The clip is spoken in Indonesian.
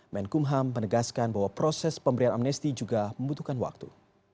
menkumham menegaskan bahwa proses pemberian amnesti juga membutuhkan waktu